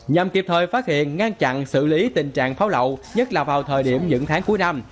nhằm kịp thời phát hiện ngăn chặn xử lý tình trạng pháo lậu nhất là vào thời điểm những tháng cuối năm